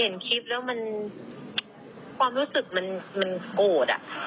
เห็นคลิปแล้วมันความรู้สึกมันโกรธอะ